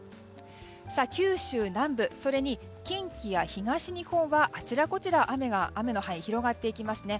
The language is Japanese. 九州南部それに近畿や東日本はあちらこちら雨の範囲広がっていきますね。